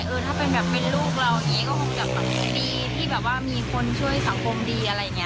ถ้าเป็นหลูกเราก็คงจะมีคนช่วยสังคมดี